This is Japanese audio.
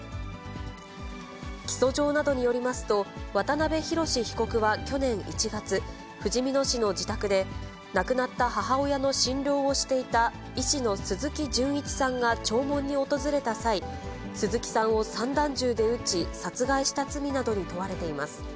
起訴状などによりますと、渡辺宏被告は去年１月、ふじみ野市の自宅で、亡くなった母親の診療をしていた医師の鈴木純一さんが弔問に訪れた際、鈴木さんを散弾銃で撃ち、殺害した罪などに問われています。